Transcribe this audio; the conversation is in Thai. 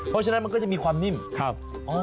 เพราะฉะนั้นมันก็จะมีความนิ่มครับ